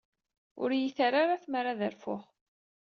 Ur iyi-terri ara tmara ad rfuɣ.